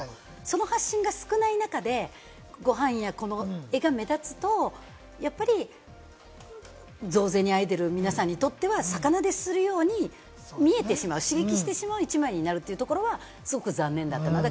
その発信が少ない中で、ご飯や、この画が目立つと、やっぱり増税に喘いでいる皆さんにとっては逆なでするように見えてしまう、刺激してしまう１枚になるというところはすごく残念だったなと。